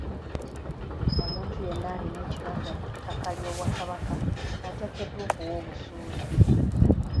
Omuntu yenna alina ekibanja ku ttaka ly'Obwakabaka ateekeddwa okuwa obusuulu.